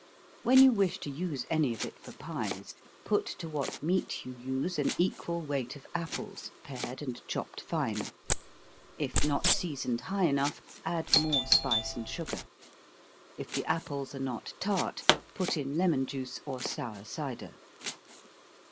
When you wish to use any of it for pies, put to what meat you use an equal weight of apples, pared and chopped fine. If not seasoned high enough, add more spice and sugar. If the apples are not tart, put in lemon juice or sour cider.